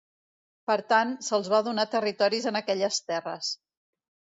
Per tant, se'ls va donar territoris en aquelles terres.